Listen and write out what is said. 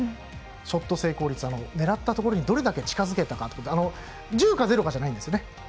ショット成功率、狙ったところにどれだけ近づけたかということで１０か０かじゃないんですかね。